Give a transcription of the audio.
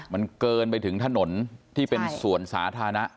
มันเกินไปถึงถนนที่เป็นส่วนสาธารณะ